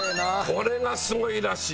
これがすごいらしい。